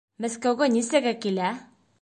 Мәскәүгә нисәгә килә?